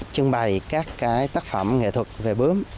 trưng bày các cái tác phẩm nghệ thuật về bướm